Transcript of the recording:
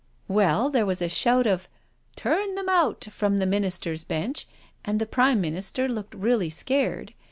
Well, there was a shout of ' Turn them out ' from the Ministers' bench, and the Prime Minister looked really scared.